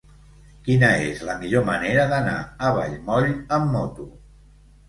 Quina és la millor manera d'anar a Vallmoll amb moto?